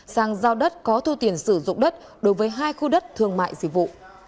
sang giao đất có thu tiền sử dụng đất đối với hai khu đất thương mại dịch vụ